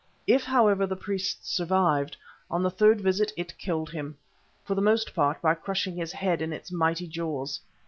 If, however, the priest survived, on the third visit it killed him, for the most part by crushing his head in its mighty jaws.